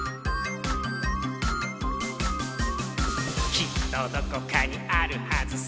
「きっとどこかにあるはずさ」